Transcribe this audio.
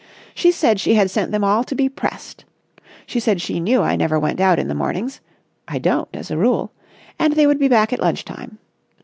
She said she had sent them all to be pressed. She said she knew I never went out in the mornings—I don't as a rule—and they would be back at lunch time.